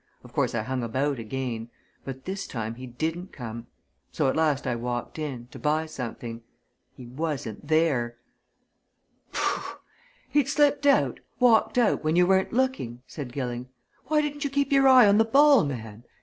Of course, I hung about again. But this time he didn't come. So at last I walked in to buy something. He wasn't there!" "Pooh! he'd slipped out walked out when you weren't looking!" said Gilling. "Why didn't you keep your eye on the ball, man?